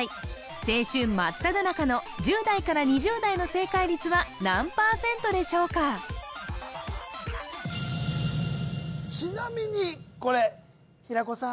青春まっただ中の１０２０代の正解率は何％でしょうかちなみにこれ平子さん